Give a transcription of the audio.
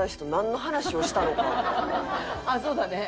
ああそうだね。